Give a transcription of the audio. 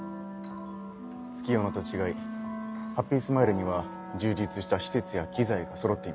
月夜野と違いハッピースマイルには充実した施設や機材がそろっています。